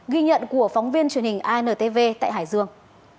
ghi nhận của phóng viên truyền hình intv tại hải dương